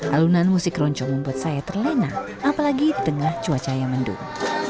alunan musik roncong membuat saya terlena apalagi di tengah cuaca yang mendung